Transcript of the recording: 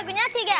libur telah tiba